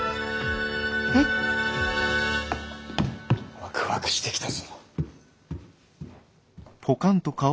ワクワクしてきたぞ。